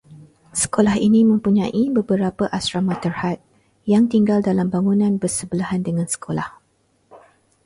Sekolah ini mempunyai beberapa asrama terhad, yang tinggal dalam bangunan bersebelahan dengan sekolah